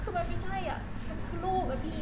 คือมันไม่ใช่อ่ะมันคือลูกอะพี่